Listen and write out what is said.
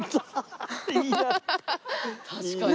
確かに。